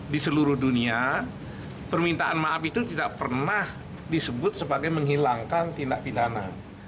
di seluruh dunia permintaan maaf itu tidak pernah disebut sebagai menghilangkan tindak pidana